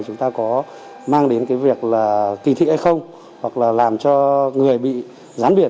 chúng ta có mang đến cái việc là kỳ thích hay không hoặc là làm cho người bị gián biển